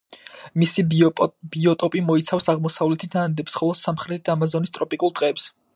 მისი ბიოტოპი მოიცავს აღმოსავლეთით ანდებს ხოლო სამხრეთით ამაზონის ტროპიკულ ტყეებს.